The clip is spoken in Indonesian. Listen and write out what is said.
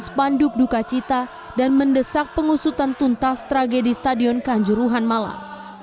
sepanduk duka cita dan mendesak pengusutan tuntas tragedi stadion kanjuruhan malang